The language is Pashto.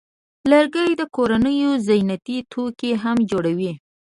لرګی د کورونو زینتي توکي هم جوړوي.